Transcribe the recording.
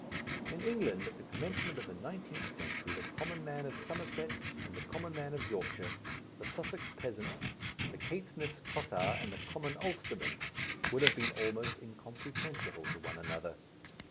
In England at the commencement of the nineteenth century the common man of Somerset and the common man of Yorkshire, the Sussex peasant, the Caithness cottar and the common Ulsterman, would have been almost incomprehensible to one another.